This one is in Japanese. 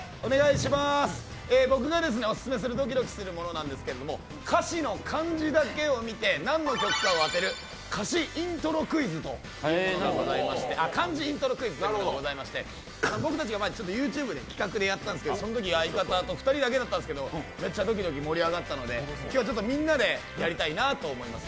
僕がオススメするドキドキするものなんですけれども、歌詞の漢字だけを見て何の曲か当てる漢字イントロクイズというものがございまして僕たちが前、ＹｏｕＴｕｂｅの企画でやったんですけど、そのとき相方と２人だけだったんですけど、めっちゃドキドキ盛り上がったので、今日はちょっとみんなでやりたいなと思います。